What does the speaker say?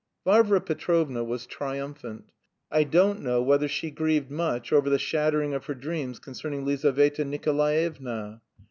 Varvara Petrovna was triumphant. I don't know whether she grieved much over the shattering of her dreams concerning Lizaveta Nikolaevna.